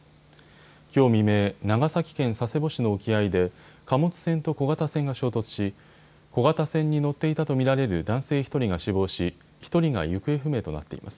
きょう未明、長崎県佐世保市の沖合で貨物船と小型船が衝突し小型船に乗っていたと見られる男性１人が死亡し１人が行方不明となっています。